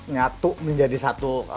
nyatu menjadi satu